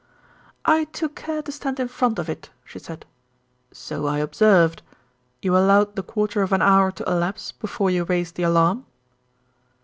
"I took care to stand in front of it," she said. "So I observed. You allowed the quarter of an hour to elapse before you raised the alarm?"